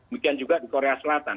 mungkin juga di korea selatan